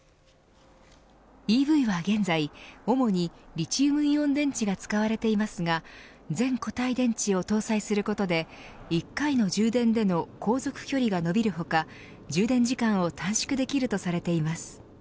ＥＶは現在主にリチウムイオン電池が使われていますが全固体電池を搭載することで１回の充電での航続距離が伸びる他充電時間を短縮できるとされています。